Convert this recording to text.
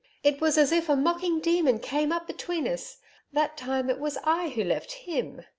It was as if a mocking demon came up between us. That time it was I who left him.